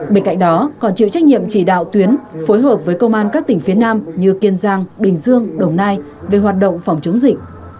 bên cạnh đó còn chịu trách nhiệm chỉ đạo tuyến phối hợp với công an các tỉnh phía nam như kiên giang bình dương đồng nai về hoạt động phòng chống dịch